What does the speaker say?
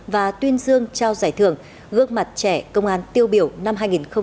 và tuyên dương trao giải thưởng gương mặt trẻ công an tiêu biểu năm hai nghìn hai mươi ba